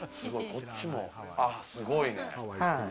こっちもすごいね。